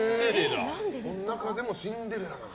その中でも「シンデレラ」なんだ。